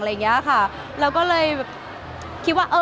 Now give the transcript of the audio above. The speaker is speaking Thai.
เราก็เลยคิดว่าเอ้อ